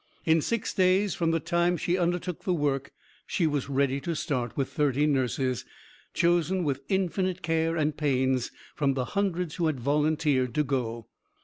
In six days from the time she undertook the work she was ready to start, with thirty nurses, chosen with infinite care and pains from the hundreds who had volunteered to go.